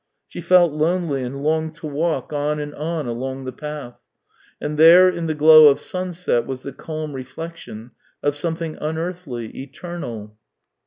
She felt lonely, and longed to walk on 272 THE TALES OF TCHEHOV and on along the path; and there, in the glow of sunset was the calm reflection of something un earthly, eternal.